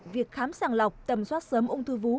việc khám sàng lọc tầm soát sớm ung thư vú